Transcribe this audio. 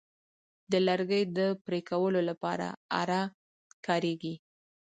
د لرګي د پرې کولو لپاره آره کاریږي.